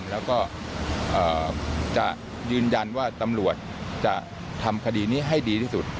แล้วก็จะยืนยันว่าตำรวจจะทำคดีนี้ให้ดีที่สุด